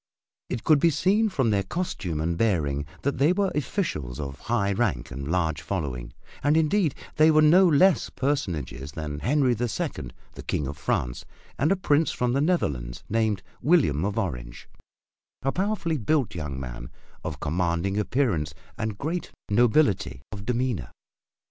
It could be seen from their costume and bearing that they were officials of high rank and large following and indeed they were no less personages than Henry the Second, the King of France, and a Prince from the Netherlands named William of Orange, a powerfully built young man of commanding appearance and great nobility of demeanor.